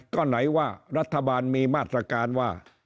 ก็ไหนว่ารัฐบาลมีมาตรการว่า